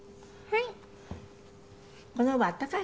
はい。